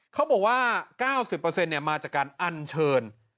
เขาบอกว่า๙๐มาจากการอัญเชิญ